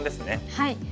はい。